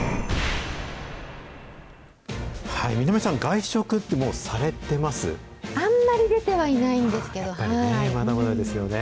南野さん、あんまり出てはいないんですまだまだですよね。